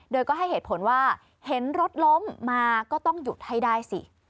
โดยก็ให้เหตุผลว่าเห็นรถล้มมาก็ต้องหยุดให้ได้สิ